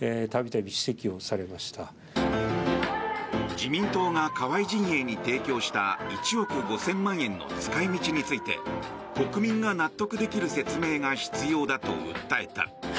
自民党が河井氏陣営に提供した１億５０００万円の使い道について国民が納得できる説明が必要だと訴えた。